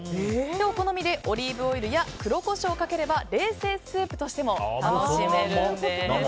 お好みでオリーブオイルや黒コショウをかければ冷製スープとしても楽しめるんです。